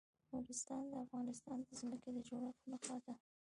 نورستان د افغانستان د ځمکې د جوړښت نښه ده.